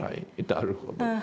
なるほど。